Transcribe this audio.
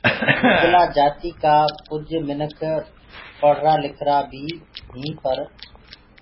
گُرگَلا جآتي ڪآ ڪجھ مِنک پڙهرآ لکرا بي هيٚنٚ پر